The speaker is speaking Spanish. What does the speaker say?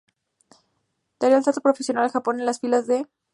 Daría el salto profesional en Japón en las filas del Mitsubishi Diamond Dolphins.